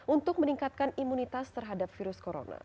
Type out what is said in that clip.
untuk meningkatkan imunitas terhadap virus corona